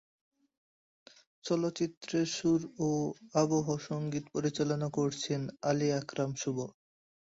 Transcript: চলচ্চিত্রের সুর ও আবহ সঙ্গীত পরিচালনা করেছেন আলী আকরাম শুভ।